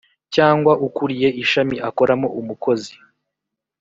cyangwa ukuriye ishami akoramo Umukozi